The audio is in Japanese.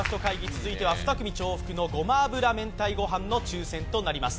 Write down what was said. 続いては２組重複のごま油を使ったごま油明太子ご飯の抽選となります。